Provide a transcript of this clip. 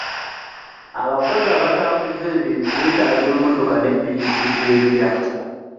Abakozi abatambuza ebintu beetaaga emmotoka ne ppikippiki empya